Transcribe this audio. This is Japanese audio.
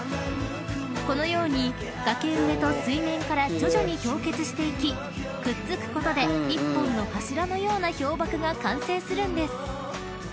［このように崖上と水面から徐々に氷結していきくっつくことで１本の柱のような氷瀑が完成するんです］